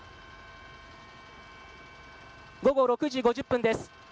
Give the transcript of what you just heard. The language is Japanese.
午後６時５０分です。